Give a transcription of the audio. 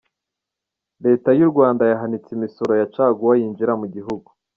Leta y’ u Rwanda yahanitse imisoro ya caguwa yinjira mu gihugu.